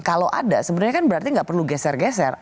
kalau ada sebenarnya kan berarti nggak perlu geser geser